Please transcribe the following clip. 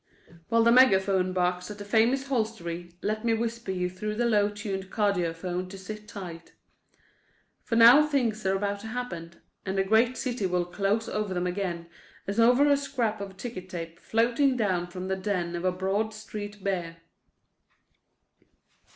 While the megaphone barks at a famous hostelry, let me whisper you through the low tuned cardiaphone to sit tight; for now things are about to happen, and the great city will close over them again as over a scrap of ticker tape floating down from the den of a Broad street bear.